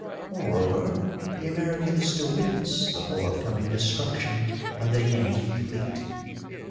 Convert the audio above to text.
"Moreover, the American is to witness the forthcoming destruction of the Yankee fleet."